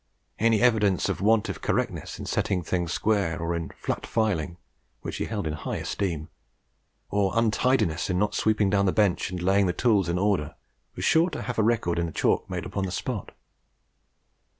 Any evidence of want of correctness in setting things square, or in 'flat filing,' which he held in high esteem, or untidiness in not sweeping down the bench and laying the tools in order, was sure to have a record in chalk made on the spot.